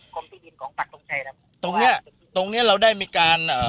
กรมที่ดินของปักตรงชัยแล้วตรงนี้ตรงนี้เราได้มีการ